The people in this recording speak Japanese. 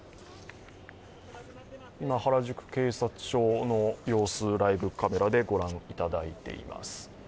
今、原宿警察署の様子、ライブカメラでご覧いただいています。